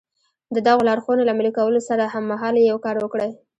د دغو لارښوونو له عملي کولو سره هممهاله يو کار وکړئ.